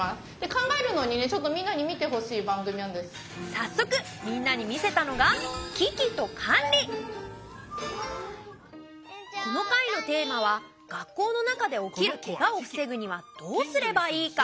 早速みんなに見せたのがこの回のテーマは「学校の中でおきるケガをふせぐにはどうすればいいか？」。